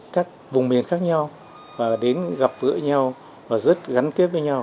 các vùng miền khác nhau và đến gặp gỡ nhau và rất gắn kết với nhau